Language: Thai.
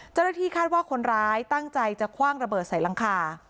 เจ้าหน้าที่คาดว่าคนร้ายตั้งใจจะคว่างระเบิดใส่หลังคา